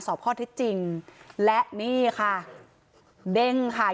สอบข้อที่จริงและนี่ค่ะเด้งค่ะ